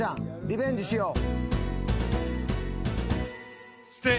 リベンジしよう。